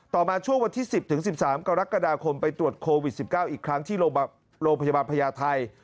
มาช่วงวันที่๑๐๑๓กรกฎาคมไปตรวจโควิด๑๙อีกครั้งที่โรงพยาบาลพญาไทย